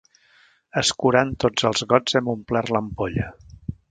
Escurant tots els gots hem omplert l'ampolla.